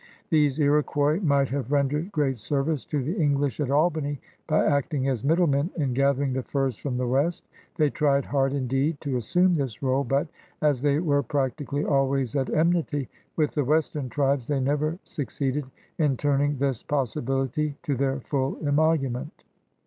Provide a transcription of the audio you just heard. These Iroquois might have rendered great service to the English at Albany by acting as middlemen in gathering the furs from the West. They tried hard, indeed, to assume this r61e, but, as they were practically always at enmity with the western tribes, they never succeeded in turning this possi bility to their full emolument.